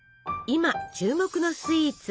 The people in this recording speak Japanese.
今注目のスイーツ